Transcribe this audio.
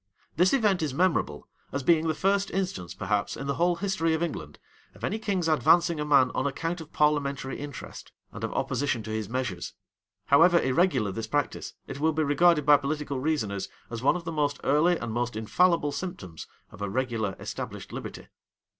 [] This event is memorable, as being the first instance, perhaps, in the whole history of England, of any king's advancing a man on account of parliamentary interest, and of opposition to his measures. However irregular this practice, it will be regarded by political reasoners as one of the most early and most infallible symptoms of a regular, established liberty.